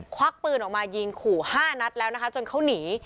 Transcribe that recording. ควักปืนออกมายิงขู่๕นัดแล้วนะคะจนเขาหนี